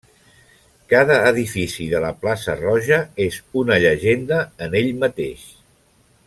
Cada edifici de la plaça Roja és una llegenda en ell mateix.